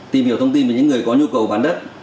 tìm hiểu thông tin về những người có nhu cầu bán đất